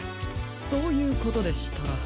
そういうことでしたら。